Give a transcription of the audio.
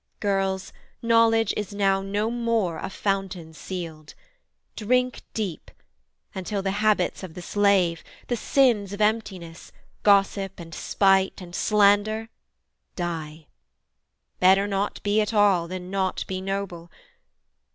Girls, Knowledge is now no more a fountain sealed: Drink deep, until the habits of the slave, The sins of emptiness, gossip and spite And slander, die. Better not be at all Than not be noble.